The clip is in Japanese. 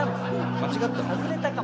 間違ったの？